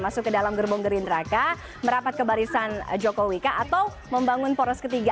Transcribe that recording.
masuk ke dalam gerbong gerindraka merapat ke barisan jokowi atau membangun poros ketiga